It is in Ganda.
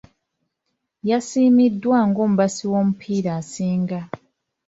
Yasiimiddwa ng'omubasi w'omupiira asinga .